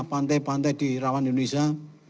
pantai pantai di rawan indonesia